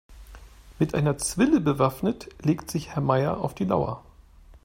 Mit einer Zwille bewaffnet legt sich Herr Meier auf die Lauer.